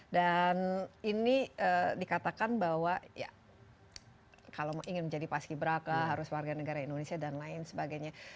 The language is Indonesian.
dan ini dikatakan bahwa ya kalau ingin menjadi pak ski braka harus warga negara indonesia dan lain sebagainya